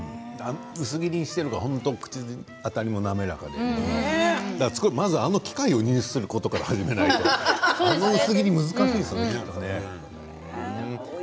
薄切りにしているから口当たりも本当に滑らかでまずあの器械を入手することから始めないとあの薄切り難しいですよね。